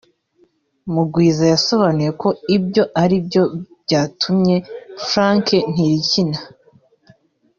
Mugwiza yasobanuye ko ibyo aribyo byatumye Frank Ntilikina